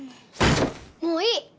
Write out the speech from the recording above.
もういい！